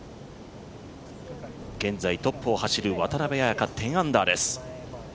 現在トップを走る渡邉彩香、１０アンダーです。